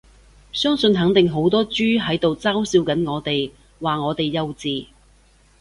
相信肯定好多豬喺度嘲笑緊我哋，話我哋幼稚